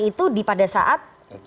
itu di pada saat